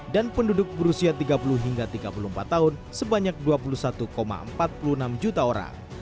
penduduk berusia tiga puluh hingga tiga puluh empat tahun sebanyak dua puluh satu empat puluh enam juta orang